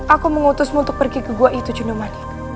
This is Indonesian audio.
aku mengutusmu untuk pergi ke gua itu jundumanik